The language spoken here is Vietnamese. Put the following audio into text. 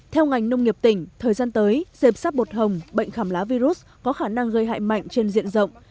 theo ngành nông nghiệp tỉnh thời gian tới dịp sáp bột hồng bệnh khảm lá virus có khả năng gây hại mạnh trên diện rộng